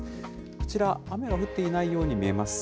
こちら、雨は降っていないように見えます。